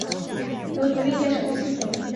由独立电视公司所有。